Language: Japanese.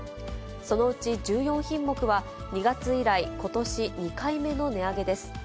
そのうち１４品目は２月以来、ことし２回目の値上げです。